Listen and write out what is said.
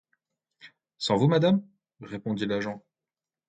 Sans vous, madame?... répondit l’agent.